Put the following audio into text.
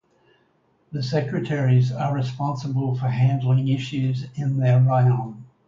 The secretaries are responsible for handling issues in their raion.